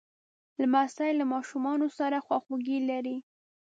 لمسی له ماشومانو سره خواخوږي لري.